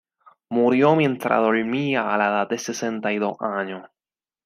Murió mientras dormía, a la edad de sesenta y dos años.